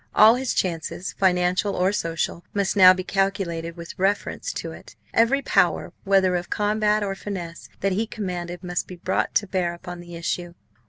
All his chances, financial or social, must now be calculated with reference to it. Every power, whether of combat or finesse, that he commanded must be brought to bear upon the issue.